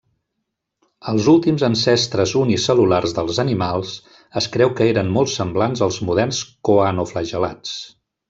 Els últims ancestres unicel·lulars dels animals es creu que eren molt semblants als moderns coanoflagel·lats.